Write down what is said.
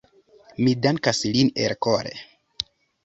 Mi dankas lin elkore.